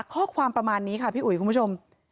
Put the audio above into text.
ข้อความประมาณนี้ค่ะพี่อุ๋ยคุณผู้ชม